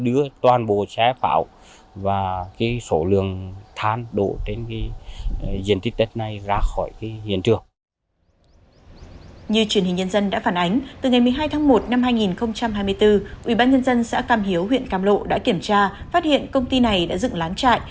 ủy ban nhân dân xã cam hiếu huyện cam lộ đã kiểm tra phát hiện công ty này đã dựng láng trại